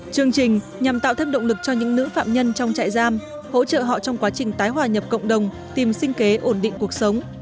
chương trình nhằm tạo thêm động lực cho những nữ phạm nhân trong trại giam hỗ trợ họ trong quá trình tái hòa nhập cộng đồng tìm sinh kế ổn định cuộc sống